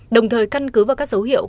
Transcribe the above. đồng thời căn cứ vào các dấu hiệu